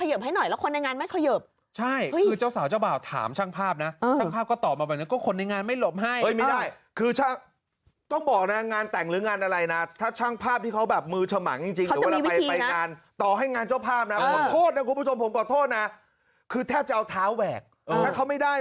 เอ๊ะเขามีแบบว่าหน้าบังหลังเบลอด้วยไหมพี่